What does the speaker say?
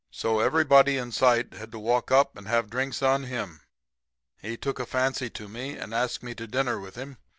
So everybody in sight had to walk up and have drinks on him. He took a fancy to me and asked me to dinner with him.